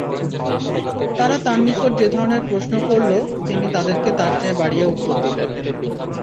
তারা তাঁর নিকট যে ধরনের প্রশ্ন করল তিনি তাদেরকে তার চেয়ে বাড়িয়ে উত্তর দিলেন।